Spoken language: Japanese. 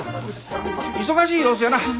忙しい様子じゃな。